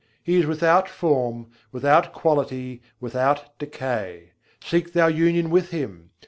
He is without form, without quality, without decay: Seek thou union with Him!